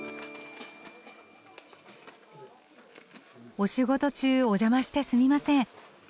お仕事中お邪魔してすみません。